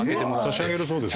差し上げるそうです。